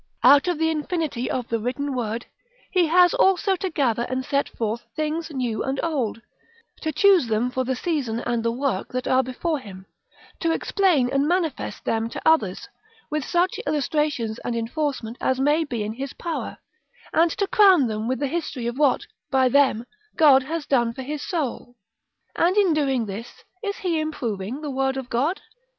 Out of the infinity of the written word, he has also to gather and set forth things new and old, to choose them for the season and the work that are before him, to explain and manifest them to others, with such illustration and enforcement as may be in his power, and to crown them with the history of what, by them, God has done for his soul. And, in doing this, is he improving the Word of God?